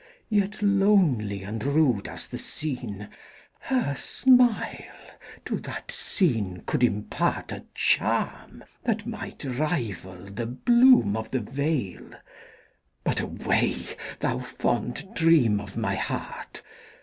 Yet lonely and rude as the scene, Her smile to that scene could impartA charm that might rival the bloom of the vale,—But away, thou fond dream of my heart!